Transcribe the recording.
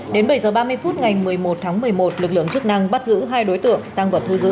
đến bảy h ba mươi phút ngày một mươi một tháng một mươi một lực lượng chức năng bắt giữ hai đối tượng tăng vật thu giữ